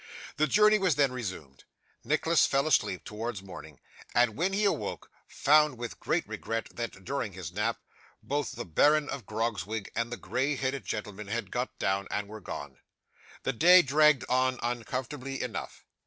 The journey was then resumed. Nicholas fell asleep towards morning, and, when he awoke, found, with great regret, that, during his nap, both the Baron of Grogzwig and the grey haired gentleman had got down and were gone. The day dragged on uncomfortably enough.